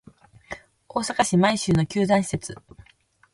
大阪市・舞洲の球団施設